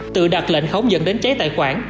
tự đặt lệnh khống dẫn đến cháy tài khoản